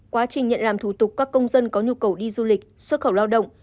quá trình nhận làm thủ tục các công dân có nhu cầu đi du lịch xuất khẩu lao động